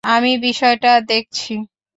আমি বিষয়টা দেখছি।